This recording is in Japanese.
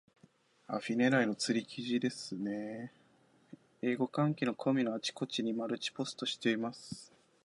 アフィ狙いの釣り記事ですね。英語関係のコミュのあちこちにマルチポストしています。